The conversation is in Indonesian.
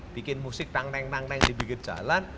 bikin musik tang teng tang dibikin jalan